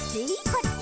「こっち」